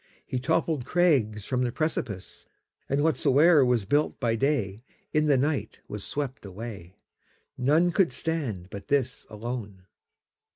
He toppled crags from the precipice, And whatsoe'er was built by dayIn the night was swept away:None could stand but this alone.